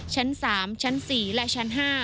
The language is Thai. ชั้น๓ชั้น๔และชั้น๕